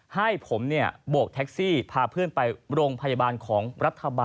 อยากเรียนคุณทัศนายด้วยนะฮะ